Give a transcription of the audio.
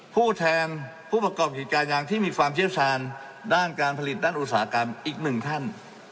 ผู้แทนผู้ประกอบกิจการยางที่มีความเชี่ยวชาญด้านการผลิตด้านอุตสาหกรรมอีกหนึ่งท่าน